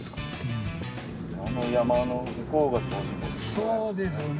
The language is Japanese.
そうですね。